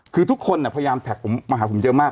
คือทุกคนพยายามแท็กผมมาหาผมเยอะมาก